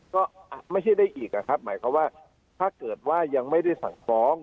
ก็ไม่ใช่ได้อีกนะครับหมายความว่าถ้าเกิดว่ายังไม่ได้สั่งฟ้อง